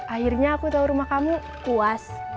akhirnya aku tau rumah kamu kuas